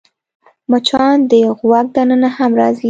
مچان د غوږ دننه هم راځي